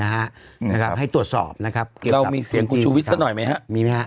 นะครับให้ตรวจสอบนะครับเรามีเสียงคุณชูวิทย์ซะหน่อยไหมฮะมีไหมฮะ